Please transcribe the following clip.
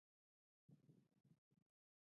په تېره بیا د سلطان طغرل یو ځانګړی عادت و.